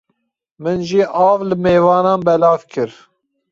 Min jî av li mêvanan belav kir.